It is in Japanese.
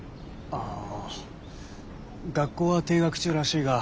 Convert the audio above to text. あ学校は停学中らしいが。